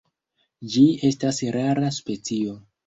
Ĝi estas rara specio.